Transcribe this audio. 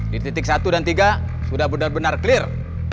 di titik satu dan tiga sudah benar benar clear